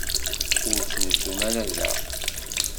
Ur ttnusun ara da.